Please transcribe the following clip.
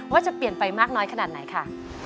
ว่าจะเปลี่ยนไปมากน้อยขนาดไหนค่ะ